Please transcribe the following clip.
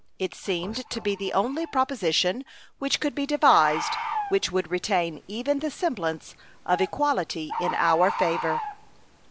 It seemed to be the only proposition which could be devised which would retain even the semblance of equality in our favor.